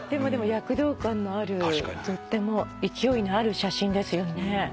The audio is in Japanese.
でも躍動感のあるとっても勢いのある写真ですよね。